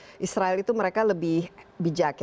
presiden israel itu mereka lebih bijak